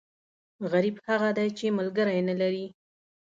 غریب هغه دی، چې ملکری نه لري.